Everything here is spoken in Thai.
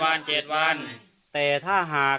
ข้าพเจ้านางสาวสุภัณฑ์หลาโภ